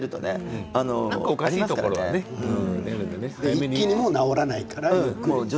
一気には治らないから。